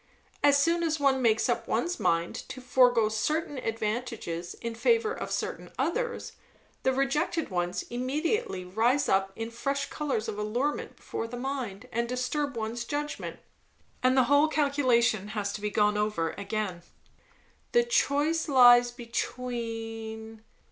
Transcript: As soon as one makes up one's mind to forego certain advantages in favour of certain others, the rejected ones immediately rise up in fresh colours of allurement before the mind, and disturb one's judgment, and the whole calculation has to be gone over again." "The choice lies between